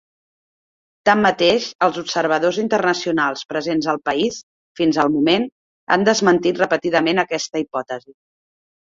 Tanmateix, els observadors internacionals presents al país, fins al moment, han desmentit repetidament aquesta hipòtesi.